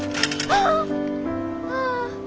ああ。